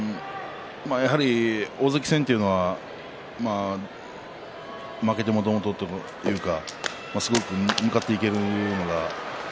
大関戦というのは負けてもともとというかすごく向かっていけるような。